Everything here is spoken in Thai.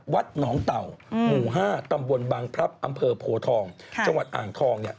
วัดหนองเต่าหมู่๕ตำบลบังพลับอำเภอโพทองจังหวัดอ่างทองเนี่ย